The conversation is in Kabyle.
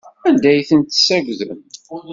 Anda ay tent-tessagdem?